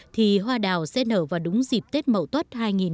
thì hoa đào sẽ nở vào đúng dịp tết mậu tuất hai nghìn một mươi tám